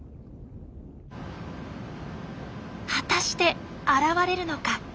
果たして現れるのか？